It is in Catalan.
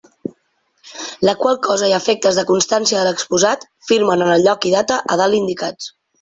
La qual cosa i a efectes de constància de l'exposat firmen en el lloc i data a dalt indicats.